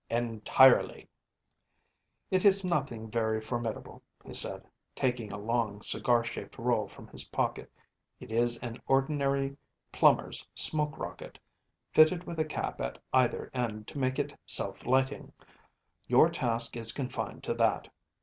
‚ÄĚ ‚ÄúEntirely.‚ÄĚ “It is nothing very formidable,‚ÄĚ he said, taking a long cigar shaped roll from his pocket. “It is an ordinary plumber’s smoke rocket, fitted with a cap at either end to make it self lighting. Your task is confined to that.